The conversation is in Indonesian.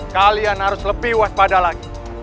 kalian harus lebih waspada lagi